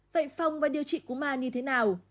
vậy phòng và điều trị cúm a như thế nào